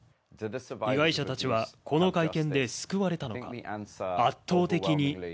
被害者たちはこの会見で救われたのか。